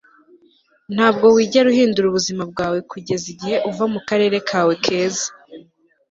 ntabwo wigera uhindura ubuzima bwawe kugeza igihe uva mukarere kawe keza